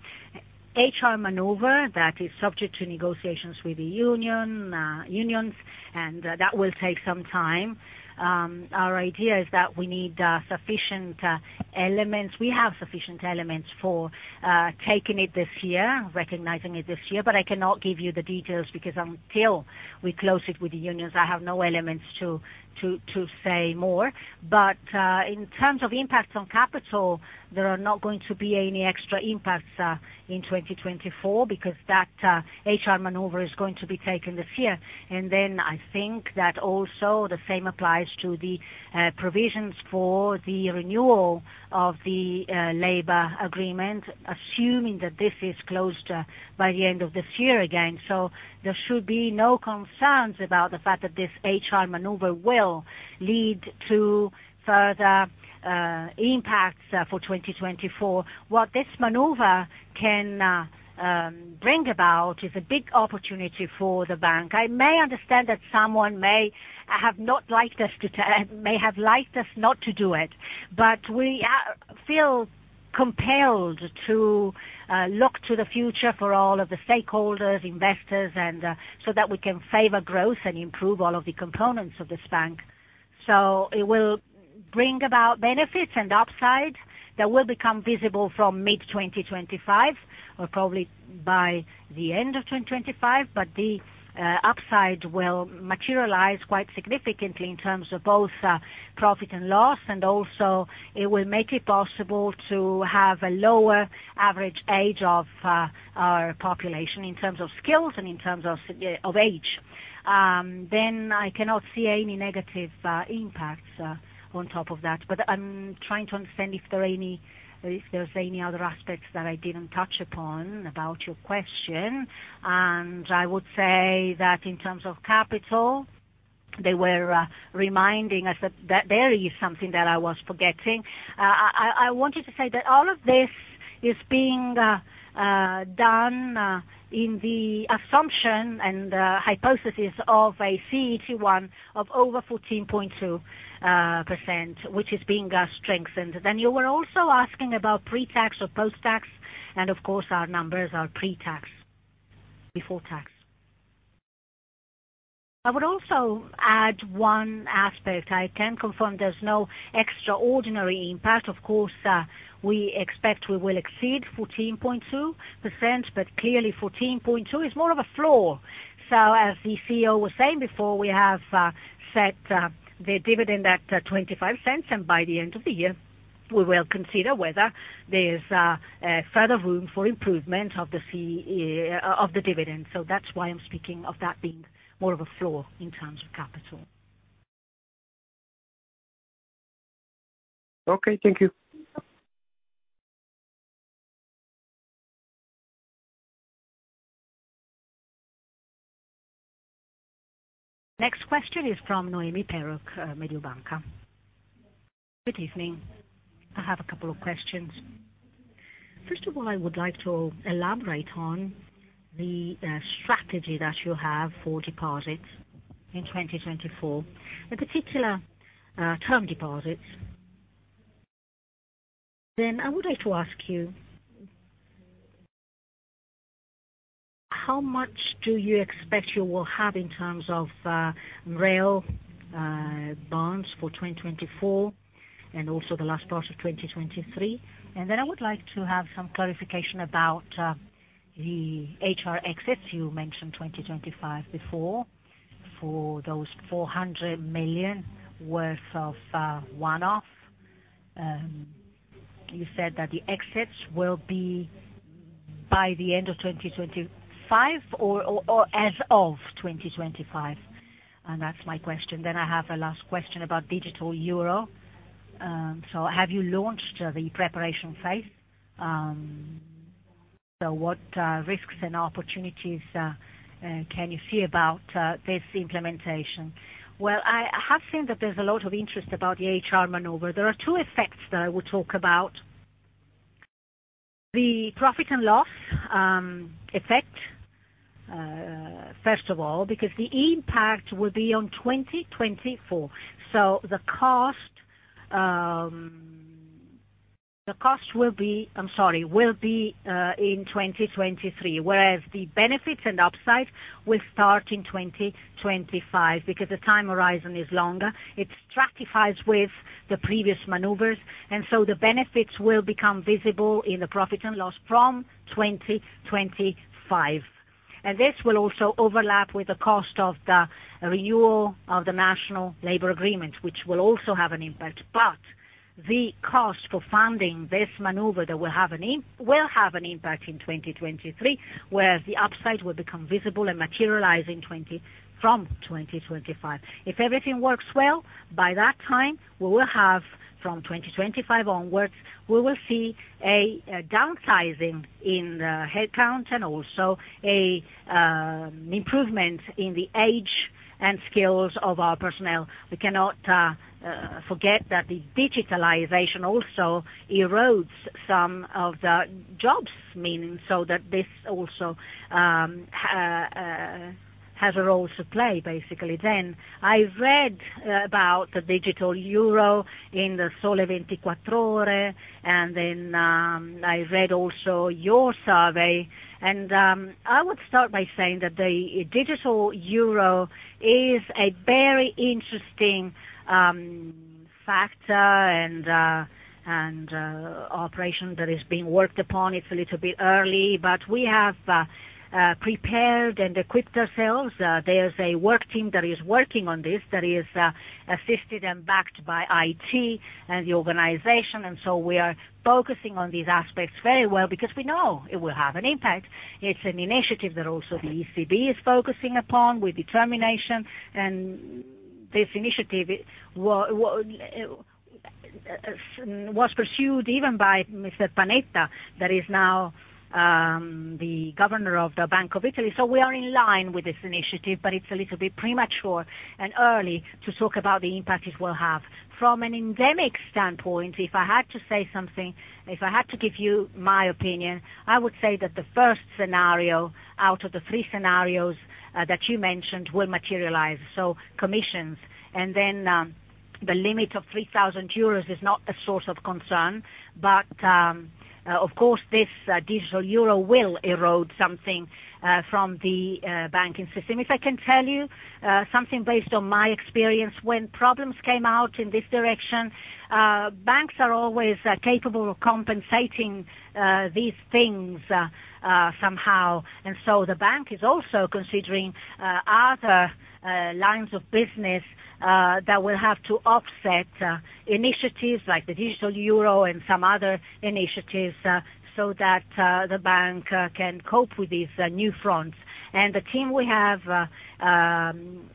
HR maneuver that is subject to negotiations with the unions, and that will take some time. Our idea is that we need sufficient elements. We have sufficient elements for taking it this year, recognizing it this year, but I cannot give you the details, because until we close it with the unions, I have no elements to say more. But in terms of impacts on capital, there are not going to be any extra impacts in 2024, because that HR maneuver is going to be taken this year. And then I think that also the same applies to the provisions for the renewal of the labor agreement, assuming that this is closed by the end of this year again. So there should be no concerns about the fact that this HR maneuver will lead to further impacts for 2024. What this maneuver can bring about is a big opportunity for the bank. I may understand that someone may have liked us not to do it, but we feel compelled to look to the future for all of the stakeholders, investors, and so that we can favor growth and improve all of the components of this bank. So it will bring about benefits and upside that will become visible from mid-2025, or probably by the end of 2025, but the upside will materialize quite significantly in terms of both profit and loss, and also it will make it possible to have a lower average age of our population in terms of skills and in terms of age. Then I cannot see any negative impacts on top of that, but I'm trying to understand if there are any- if there's any other aspects that I didn't touch upon about your question. I would say that in terms of capital, they were reminding us that there is something that I was forgetting. I wanted to say that all of this is being done in the assumption and hypothesis of a CET1 of over 14.2%, which is being strengthened. You were also asking about pre-tax or post-tax, and of course our numbers are pre-tax, before tax. I would also add one aspect. I can confirm there's no extraordinary impact. Of course, we expect we will exceed 14.2%, but clearly 14.2 is more of a floor. So as the CEO was saying before, we have set the dividend at 0.25, and by the end of the year, we will consider whether there's further room for improvement of the dividend. So that's why I'm speaking of that being more of a floor in terms of capital.
Okay, thank you.
Next question is from Noemi Peruch, Mediobanca.
Good evening. I have a couple of questions. First of all, I would like to elaborate on the strategy that you have for deposits in 2024, in particular, term deposits. Then I would like to ask you, how much do you expect you will have in terms of retail bonds for 2024, and also the last part of 2023? And then I would like to have some clarification about the HR exits. You mentioned 2025 before, for those 400 million worth of one-off. You said that the exits will be by the end of 2025 or, or, or as of 2025? And that's my question. Then I have a last question about digital euro. So have you launched the preparation phase? So what risks and opportunities can you see about this implementation?
Well, I have seen that there's a lot of interest about the HR maneuver. There are two effects that I will talk about. The profit and loss effect, first of all, because the impact will be on 2024. So the cost will be, I'm sorry, will be in 2023, whereas the benefits and upside will start in 2025 because the time horizon is longer. It stratifies with the previous maneuvers, and so the benefits will become visible in the profit and loss from 2025. And this will also overlap with the cost of the renewal of the National Labor Agreement, which will also have an impact. But the cost for funding this maneuver that will have an impact in 2023, whereas the upside will become visible and materialize in 2024, from 2025. If everything works well, by that time, we will have from 2025 onwards, we will see a downsizing in the headcount and also an improvement in the age and skills of our personnel. We cannot forget that the digitalization also erodes some of the jobs, meaning, so that this also has a role to play, basically. Then I read about the digital euro in the Sole 24 Ore, and then I read also your survey, and I would start by saying that the digital euro is a very interesting factor and operation that is being worked upon. It's a little bit early, but we have prepared and equipped ourselves. There's a work team that is working on this, that is assisted and backed by IT and the organization, and so we are focusing on these aspects very well because we know it will have an impact. It's an initiative that also the ECB is focusing upon with determination, and this initiative was pursued even by Mr. Panetta, that is now the governor of the Bank of Italy. So we are in line with this initiative, but it's a little bit premature and early to talk about the impact it will have. From an economic standpoint, if I had to say something, if I had to give you my opinion, I would say that the first scenario out of the three scenarios that you mentioned will materialize, so commissions. And then, the limit of 3,000 euros is not a source of concern, but of course, this digital euro will erode something from the banking system. If I can tell you something based on my experience, when problems came out in this direction, banks are always capable of compensating these things somehow. And so the bank is also considering other lines of business that will have to offset initiatives like the digital euro and some other initiatives, so that the bank can cope with these new fronts. The team we have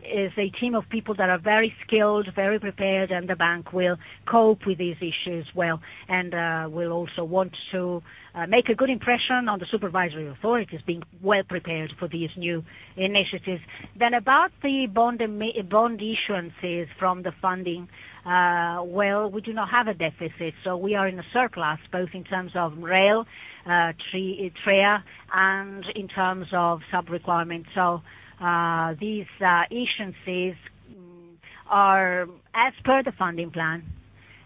is a team of people that are very skilled, very prepared, and the bank will cope with these issues well, and will also want to make a good impression on the supervisory authorities, being well prepared for these new initiatives. Then about the bond issuances from the funding. Well, we do not have a deficit, so we are in a surplus, both in terms of regulatory and TLTRO, and in terms of sub requirements. So, these issuances are as per the funding plan,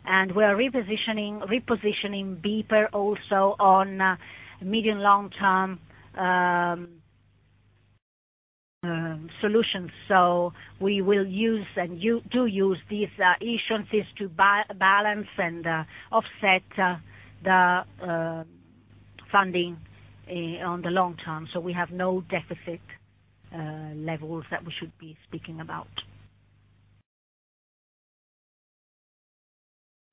and we are repositioning, repositioning BPER also on medium, long-term solutions. So we will use, and you do use these issuances to balance and offset the funding on the long term, so we have no deficit levels that we should be speaking about.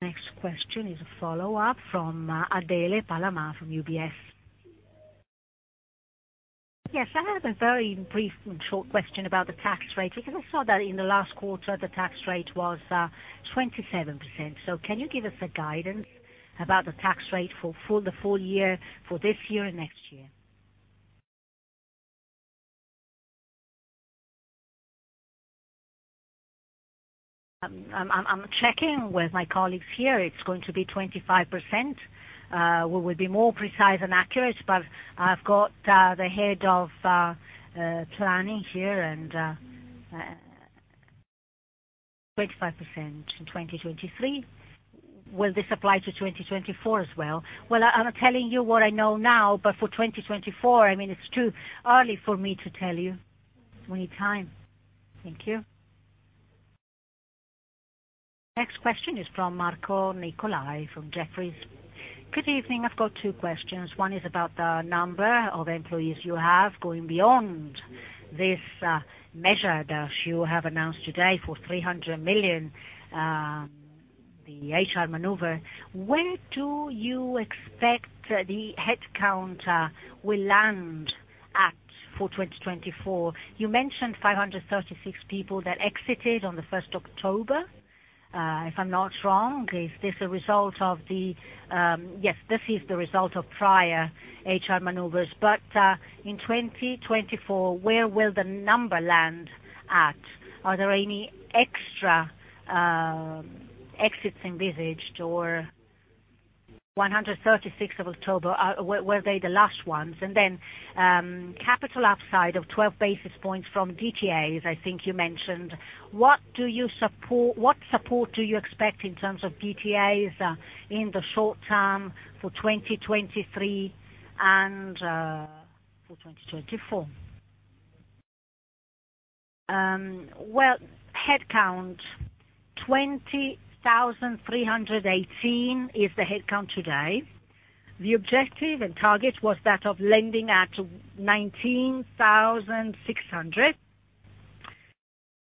Next question is a follow-up from Adele Palamà from UBS.
Yes, I have a very brief and short question about the tax rate, because I saw that in the last quarter, the tax rate was 27%. So can you give us a guidance about the tax rate for the full year, for this year and next year?
I'm checking with my colleagues here. It's going to be 25%. We will be more precise and accurate, but I've got the head of planning here, and 25% in 2023.
Will this apply to 2024 as well?
Well, I'm telling you what I know now, but for 2024, I mean, it's too early for me to tell you. We need time.
Thank you.
Next question is from Marco Nicolai, from Jefferies.
Good evening. I've got two questions. One is about the number of employees you have going beyond this measure that you have announced today for 300 million, the HR maneuver. Where do you expect the headcount will land at for 2024? You mentioned 536 people that exited on 1 October, if I'm not wrong. Is this a result of the... Yes, this is the result of prior HR maneuvers. But, in 2024, where will the number land at? Are there any extra exits envisaged or 136 of October, are, were, were they the last ones? And then, capital upside of 12 basis points from DTAs, I think you mentioned. What support do you expect in terms of DTAs in the short term for 2023 and for 2024?
Well, headcount, 20,318 is the headcount today. The objective and target was that of landing at 19,600.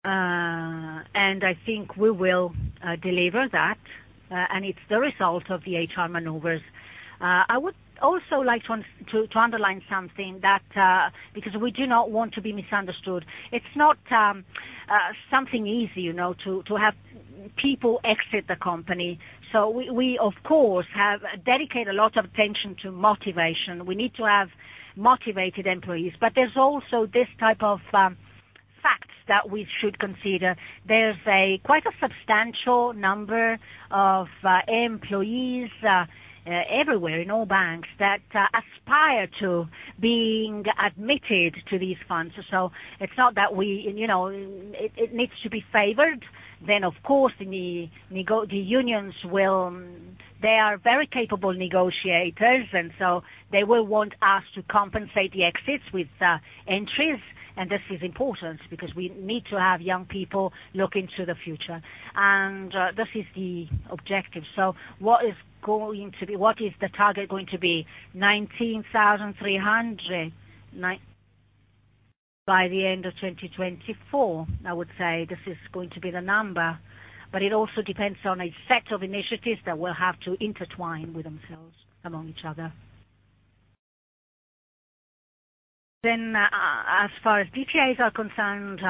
And I think we will deliver that, and it's the result of the HR maneuvers. I would also like to underline something that, because we do not want to be misunderstood. It's not something easy, you know, to have people exit the company. So we, of course, have dedicated a lot of attention to motivation. We need to have motivated employees. But there's also this type of facts that we should consider. There's a quite a substantial number of employees everywhere in all banks that aspire to being admitted to these funds. So it's not that we, you know, it, it needs to be favored. Then, of course, the unions will, they are very capable negotiators, and so they will want us to compensate the exits with entries. And this is important because we need to have young people looking to the future. And this is the objective.
So what is going to be... What is the target going to be?
19,309 by the end of 2024. I would say this is going to be the number, but it also depends on a set of initiatives that will have to intertwine with themselves among each other. Then, as far as DTAs are concerned,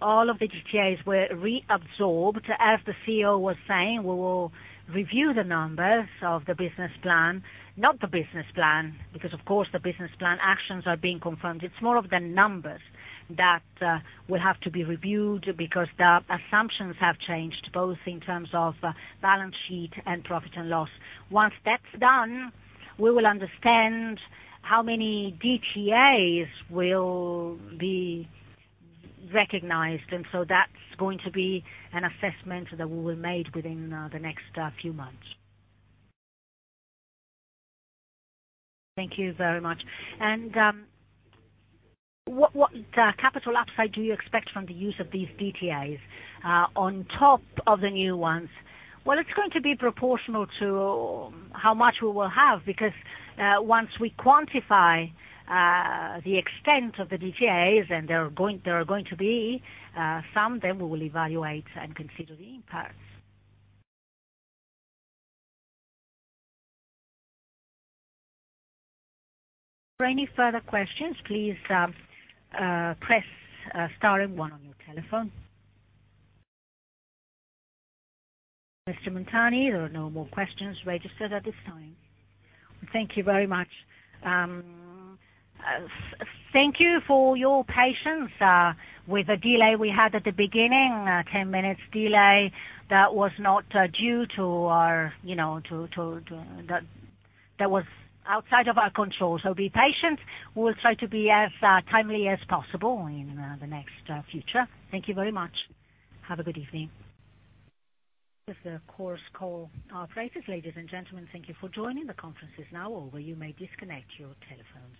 all of the DTAs were reabsorbed. As the CEO was saying, we will review the numbers of the business plan, not the business plan, because of course, the business plan actions are being confirmed. It's more of the numbers that will have to be reviewed, because the assumptions have changed, both in terms of balance sheet and profit and loss. Once that's done, we will understand how many DTAs will be recognized, and so that's going to be an assessment that will be made within the next few months.
Thank you very much. And, what capital upside do you expect from the use of these DTAs on top of the new ones?
Well, it's going to be proportional to how much we will have, because once we quantify the extent of the DTAs, and there are going, there are going to be some, then we will evaluate and consider the impacts.
For any further questions, please press star and one on your telephone. Mr. Montani, there are no more questions registered at this time.
Thank you very much. Thank you for your patience with the delay we had at the beginning, 10 minutes delay. That was not due to our, you know, to. That was outside of our control. So be patient. We will try to be as timely as possible in the next future. Thank you very much. Have a good evening.
Ladies and gentlemen, thank you for joining. The conference is now over. You may disconnect your telephones.